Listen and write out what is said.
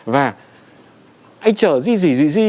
và anh chở gì gì gì